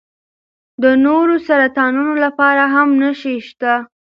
د نورو سرطانونو لپاره هم نښې شته.